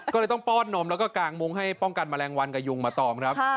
ก็เลยต้องป้อนนมแล้วก็กางมุ้งให้ป้องกันแมลงวันกับยุงมาตองครับ